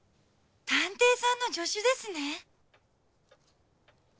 探偵さんの助手ですね。